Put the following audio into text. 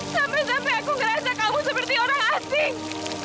sampai sampai aku ngerasak kamu seperti orang asing